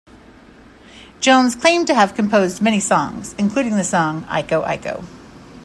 Jones claimed to have composed many songs, including the song Iko Iko.